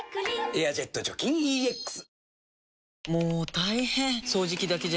「エアジェット除菌ＥＸ」